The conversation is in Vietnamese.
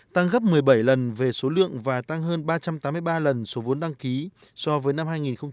tăng gấp một mươi bảy lần về số lượng và tăng hơn ba trăm tám mươi ba lần số vốn đăng ký so với năm hai nghìn bốn